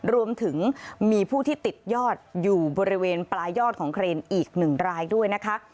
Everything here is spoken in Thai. รวมถึงมีผู้ที่ติดยอดอยู่บริเวณปลายยอดของเครนอีกหนึ่งรายด้วยนะคะ